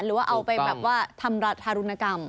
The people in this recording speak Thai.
หรือว่าเอาไปแบบว่าทำทารุณกรรม